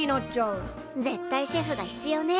絶対シェフが必要ね。